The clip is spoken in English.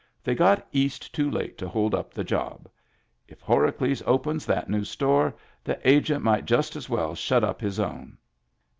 They got East too late to hold up the job. If Horacles opens that new store, the Agent might just as well shut up his own."